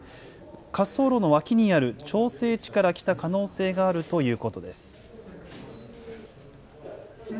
滑走路の脇にある調整池から来た可能性があるということです。